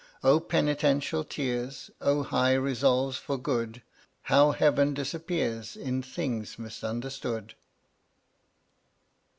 Oh, penetential tears, Oh, high resolves for good, How heaven disappears In things misunderstood!